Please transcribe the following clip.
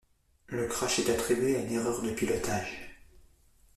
Le crash est attribué à une erreur de pilotage.